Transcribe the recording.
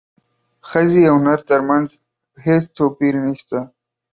ښځې او نر ترمنځ هیڅ توپیر نشته